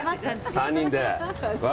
３人で。